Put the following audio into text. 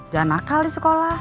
jangan nakal di sekolah